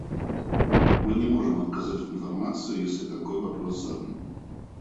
Мы не можем отказать в информации, если такой вопрос задан.